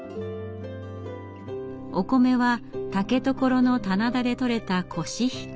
お米は竹所の棚田でとれたコシヒカリ。